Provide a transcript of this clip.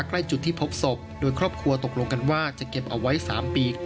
ใกล้จุดที่พบศพโดยครอบครัวตกลงกันว่าจะเก็บเอาไว้๓ปี